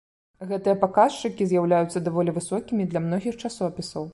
Гэтыя паказчыкі з'яўляюцца даволі высокімі для многіх часопісаў.